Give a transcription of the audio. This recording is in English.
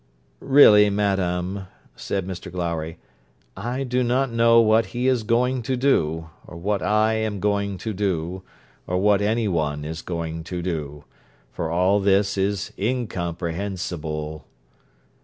'Really, madam,' said Mr Glowry, 'I do not know what he is going to do, or what I am going to do, or what any one is going to do; for all this is incomprehensible.'